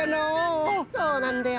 そうなんだよ！